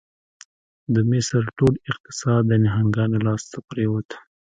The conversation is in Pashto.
د مصر ټول اقتصاد د نهنګانو لاس ته پرېوت.